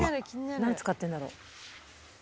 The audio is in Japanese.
何使ってるんだろう？